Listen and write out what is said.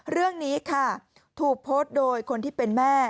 เรื่องนี้ค่ะถูกโพสต์โดยคนที่เป็นแม่